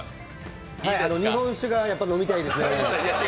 日本酒がやっぱり飲みたいですね。